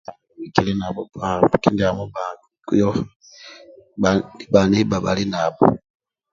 Kili nabho bba kindiamo bba kuyo bha neibba bhali nabho